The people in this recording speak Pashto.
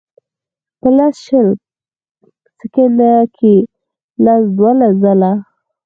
پۀ لس شل سیکنډه کښې لس دولس ځله